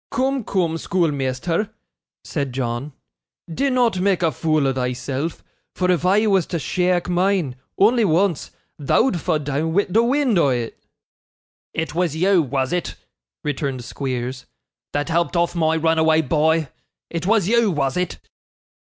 'Coom, coom, schoolmeasther,' said John, 'dinnot make a fool o' thyself; for if I was to sheake mine only once thou'd fa' doon wi' the wind o' it.' 'It was you, was it,' returned Squeers, 'that helped off my runaway boy? It was you, was it?